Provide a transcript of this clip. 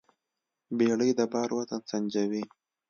بیړۍ د بار وزن سنجوي.